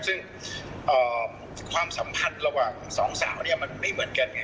ซึ่งความสัมพันธ์ระหว่างสองสาวมันไม่เหมือนกัน